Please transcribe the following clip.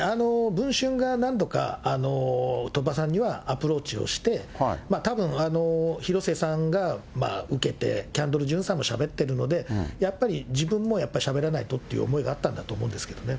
文春が何度か、鳥羽さんにはアプローチをして、たぶん、広末さんが受けて、キャンドル・ジュンさんもしゃべってるので、やっぱり自分も、やっぱしゃべらないとって思いがあったんだと思うんですけどね。